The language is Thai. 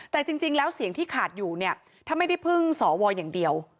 แต่จริงแล้วเสียงที่ขาดอยู่เนี่ยถ้าไม่ได้พึ่งสวอย่างเดียว